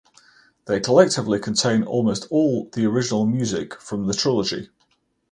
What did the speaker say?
They collectively contain almost all of the original music from the trilogy.